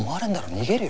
逃げるよ